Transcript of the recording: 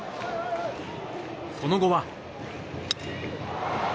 その後は。